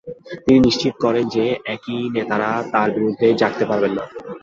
তিনি নিশ্চিত করেন যে একই নেতারা তাঁর বিরুদ্ধে জাগতে পারবেন না।